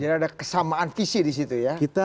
jadi ada kesamaan visi di situ ya